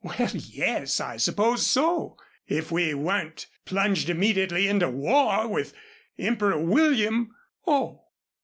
"Well yes, I suppose so. If we weren't plunged immediately into war with Emperor William." "Oh!"